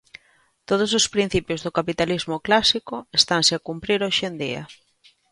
Todos os principios do capitalismo clásico estanse a cumprir hoxe en día.